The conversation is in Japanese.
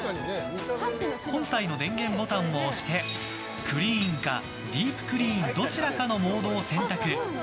本体の電源ボタンを押してクリーンかディープクリーンどちらかのモードを選択。